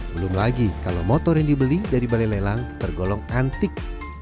belum lagi kalau motor yang dibeli dari balai lelang tergolong antik